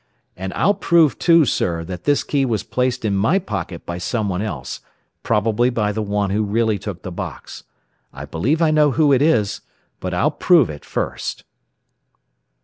And I'll prove, too, sir, that this key was placed in my pocket by someone else, probably by the one who really took the box. I believe I know who it is, but I'll prove it first."